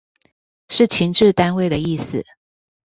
是情治單位的意思